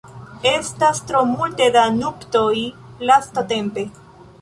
Estas tro multe da nuptoj lastatempe.